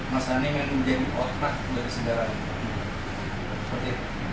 masani menjenguk otak dari sejarah